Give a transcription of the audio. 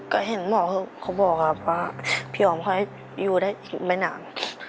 ก็เห็นหมอเขาบอกครับว่าพี่อ๋อมค่อยอยู่ได้ไม่นาน